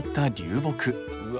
うわ。